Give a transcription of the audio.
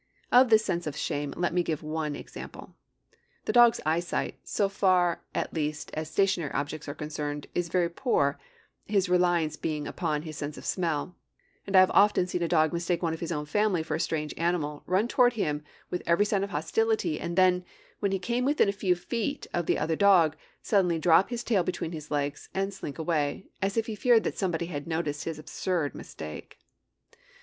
Of this sense of shame let me give one example. The dog's eyesight, so far at least as stationary objects are concerned, is very poor, his real reliance being on his sense of smell; and I have often seen a dog mistake one of his own family for a strange animal, run toward him, with every sign of hostility, and then, when he came within a few feet of the other dog, suddenly drop his tail between his legs and slink away, as if he feared that somebody had noticed his absurd mistake.